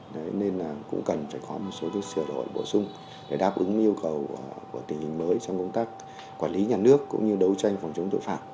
nên là cũng cần trải khóa một số sự đổi bổ sung để đáp ứng yêu cầu của tình hình mới trong công tác quản lý nhà nước cũng như đấu tranh phòng chống tội phạm